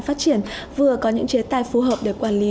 phát triển vừa có những chế tài phù hợp để quản lý